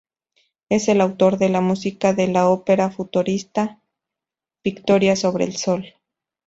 Es el autor de la música de la ópera futurista "Victoria sobre el sol".